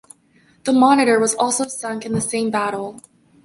The monitor was also sunk in the same battle.